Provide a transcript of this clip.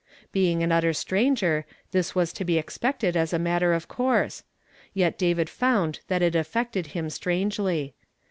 Being an utter stranger, this was to l)e expected as a matter of course ; yet David found that it affected him strangely.